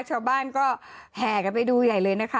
ชาวบ้านก็แห่กันไปดูใหญ่เลยนะคะ